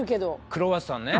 クロワッサンね。